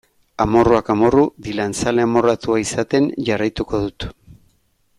Amorruak amorru, Dylan zale amorratua izaten jarraituko dut.